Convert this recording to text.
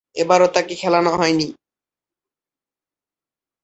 এবারও তাকে খেলানো হয়নি।